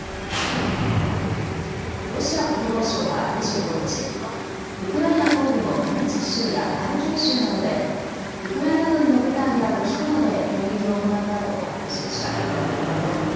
ロシア国防省は２５日、ウクライナ東部のドネツク州やハルキウ州などでウクライナ軍の部隊や武器庫などへ攻撃を行ったと発表しました。